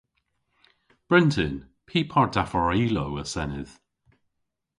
Bryntin! Py par daffar ilow a senydh?